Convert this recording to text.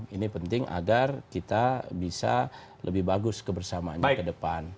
ini penting agar kita bisa lebih bagus kebersamaannya ke depan